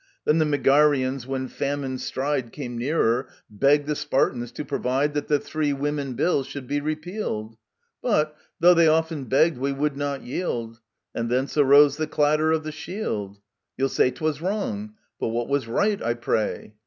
" Then the Megarians, when famine's stride Came nearer, begged the Spartans to provide That the Three Women Bill should be repealed ; But, though they often begged, we would not yield ; And thence arose the clatter of the shield. You'll say, "'Twas wrong." But what was right, I pray?